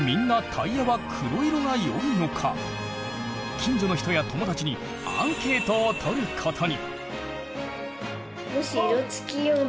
近所の人や友達にアンケートをとることに。